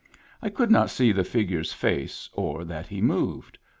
I could not see the figure's face, or that he moved.